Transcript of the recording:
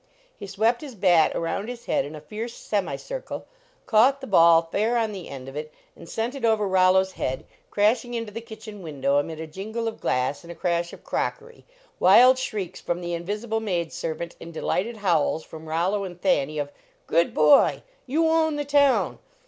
He swept his bat around his head in a fierce semi circle, caught the ball fair on the end of it, and sent it over Rollo s head, crashing into the kitchen window amid a jingle of glass and a crash of crockery, wild shrieks from the invisible maid servant and delighted howls from Rollo and Thanny of Good boy !"" You own the town